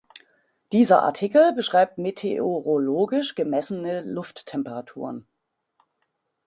Dieser Artikel beschreibt meteorologisch gemessene Lufttemperaturen.